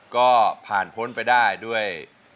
ก็ผ่านพ้นไปได้ด้วย